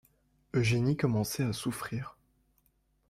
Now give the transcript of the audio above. Eugénie commençait à souffrir.